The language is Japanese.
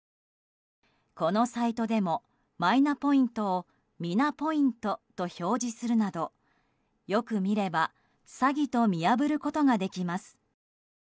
このサイトでもマイナポイントを「ミナポイント」と表示するなどよく見れば詐欺と見破ることができます。